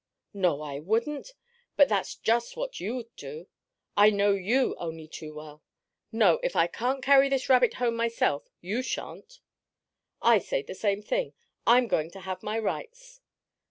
"No, I wouldn't! But that's just what you'd do. I know you only too well. No, if I can't carry this rabbit home myself, you shan't!" "I say the same thing. I'm going to have my rights."